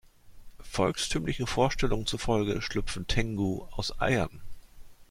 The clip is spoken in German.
Volkstümlichen Vorstellungen zufolge schlüpfen Tengu aus Eiern.